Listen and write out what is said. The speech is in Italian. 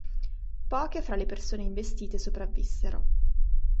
Poche fra le persone investite sopravvissero.